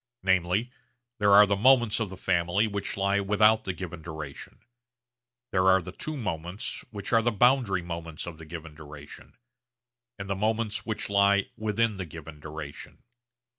Namely, there are moments of the family which lie without the given duration, there are the two moments which are the boundary moments of the given duration, and the moments which lie within the given duration.